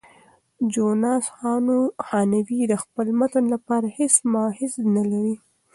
جوناس هانوې د خپل متن لپاره هیڅ مأخذ نه لري.